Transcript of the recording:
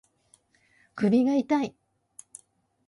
首が痛い